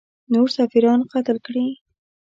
نور سفیران قتل کړي.